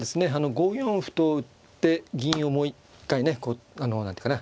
５四歩と打って銀をもう一回ねこうあの何て言うかな。